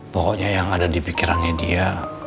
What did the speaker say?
pokoknya yang ada di pikirannya dia